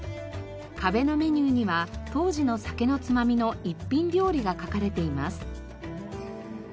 壁のメニューには当時の酒のつまみの一品料理が書かれています。